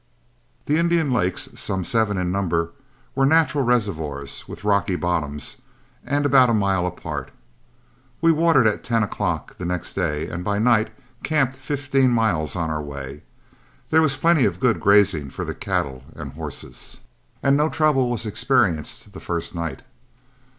The Indian Lakes, some seven in number, were natural reservoirs with rocky bottoms, and about a mile apart. We watered at ten o'clock the next day, and by night camped fifteen miles on our way. There was plenty of good grazing for the cattle and horses, and no trouble was experienced the first night.